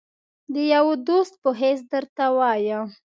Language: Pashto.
د یوه دوست په حیث درته وایم.